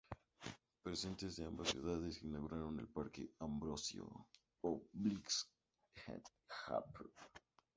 Representantes de ambas ciudades inauguraron el Parque Ambrosio O'Higgins en Illapel.